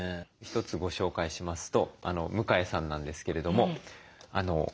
一つご紹介しますと向江さんなんですけれども今月ですね